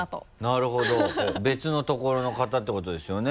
なるほど別のところの方ってことですよね？